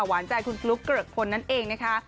หวานใจคุณฟลุ๊กเกริกพลนั่นเองนะคะ